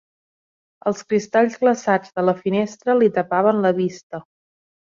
Els cristalls glaçats de la finestra li tapaven la vista